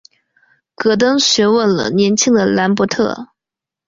戈登询问了年轻的兰伯特。